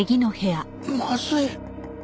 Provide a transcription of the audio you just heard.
まずい！